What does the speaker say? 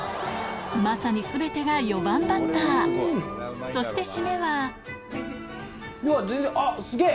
まさに全てが４番バッターそして締めはうわっ全然あっスゲェ！